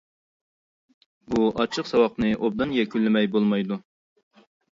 بۇ ئاچچىق ساۋاقنى ئوبدان يەكۈنلىمەي بولمايدۇ.